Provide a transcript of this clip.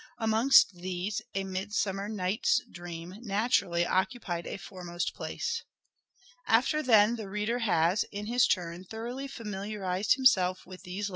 Amongst these, "A Midsummer Night's Dream" naturally .. A occupied a foremost place. After then, the reader has, Midsummer Niuht's in his turn, thoroughly familiarized himself with these Dream."